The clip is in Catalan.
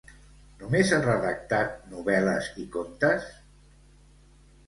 Només ha redactat novel·les i contes?